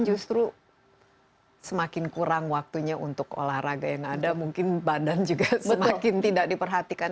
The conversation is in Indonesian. justru semakin kurang waktunya untuk olahraga yang ada mungkin badan juga semakin tidak diperhatikan